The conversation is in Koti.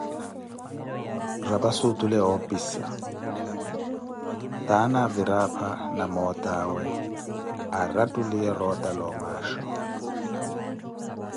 rapasi otule woopisa, taana avira apha na mootawe, arattuliye roota la omaasho.